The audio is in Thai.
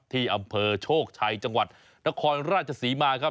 ที่อำเภอโชคชัยจังหวัดนครราชศรีมาครับ